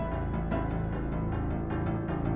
eh kata dulu